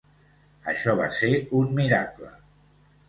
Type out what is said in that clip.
Això va ser un miracle!